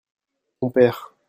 ton père.